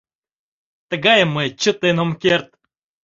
Тыгайым мый чытен ом керт.